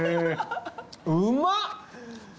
うまっ！